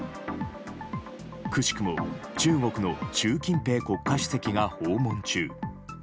くしくも、中国の習近平国家主席が訪問中。